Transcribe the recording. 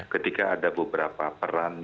ketika ada beberapa peran